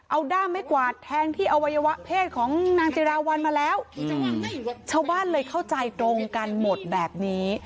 เอาด้ามไม่กวาดแทงที่อวัยวะเพศของนางจิราวัลมาแล้วชาวบ้านเลยเข้าใจตรงกันหมดแบบนี้